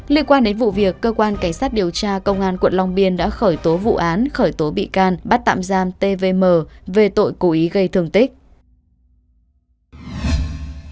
liên quan đến vụ việc cơ quan cảnh sát điều tra công an quận long biên đã khởi tố vụ án khởi tố bị can bắt tạm giam tvm về tội cố ý gây thương tích